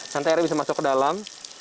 santai airnya bisa masuk ke dalam